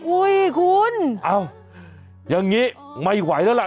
อุ้ยคุณเอ้าอย่างนี้ไม่ไหวแล้วล่ะ